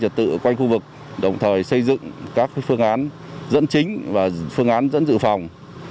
trật tự quanh khu vực đồng thời xây dựng các phương án dẫn chính và phương án dẫn dự phòng